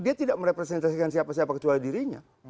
dia tidak merepresentasikan siapa siapa kecuali dirinya